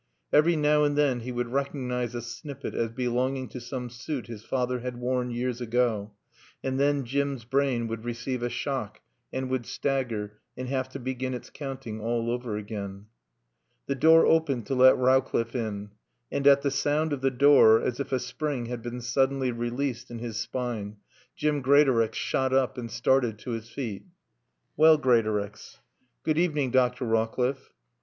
Every now and then he would recognise a snippet as belonging to some suit his father had worn years ago, and then Jim's brain would receive a shock and would stagger and have to begin its counting all over again. The door opened to let Rowcliffe in. And at the sound of the door, as if a spring had been suddenly released in his spine, Jim Greatorex shot up and started to his feet. "Well, Greatorex " "Good evening, Dr. Rawcliffe."